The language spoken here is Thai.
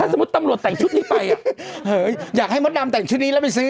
สมมุติตำรวจแต่งชุดนี้ไปอยากให้มดดำแต่งชุดนี้แล้วไปซื้อ